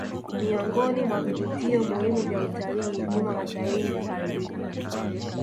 Miongoni mwa vivutio muhimu vya utalii vimo hatarini kuharibika